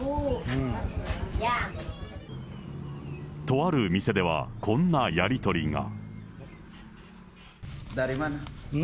とある店では、こんなやり取りが。